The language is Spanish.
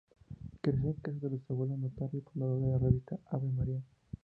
Creció en casa de su abuelo, notario y fundador de la revista "Ave María".